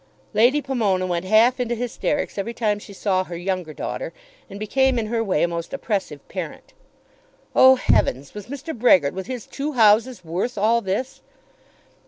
Lady Pomona went half into hysterics every time she saw her younger daughter, and became in her way a most oppressive parent. Oh, heavens; was Mr. Brehgert with his two houses worth all this?